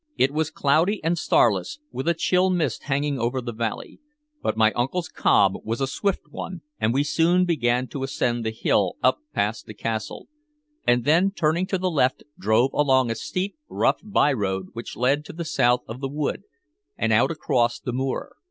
It was cloudy and starless, with a chill mist hanging over the valley; but my uncle's cob was a swift one, and we soon began to ascend the hill up past the castle, and then, turning to the left, drove along a steep, rough by road which led to the south of the wood and out across the moor.